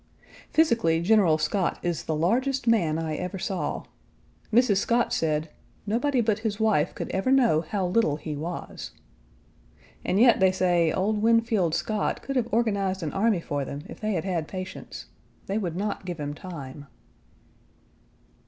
Physically General Scott is the largest man I ever saw. Mrs. Scott said, "nobody but his wife could ever know how little he was." And yet they say, old Winfield Scott could have organized an army for them if they had had patience. They would not give him time.